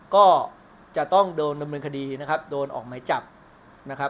ก็จะต้องโดนดำเนินคดีโดนมายจำ